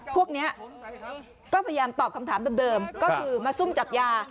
พวกนี้ก็พยายามตอบคำถามเดิมก็คือมาซุ่มจับยา